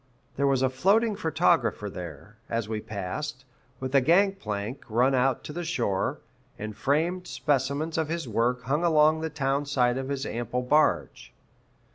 There was a floating photographer there, as we passed, with a gang plank run out to the shore, and framed specimens of his work hung along the town side of his ample barge.